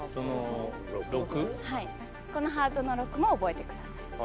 はいこのハートの６も覚えてください。